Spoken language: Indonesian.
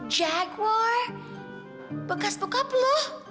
jaguar bekas bokap lo